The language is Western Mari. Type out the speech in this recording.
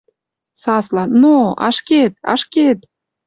Сасла: «Но, ашкед, ашкед!»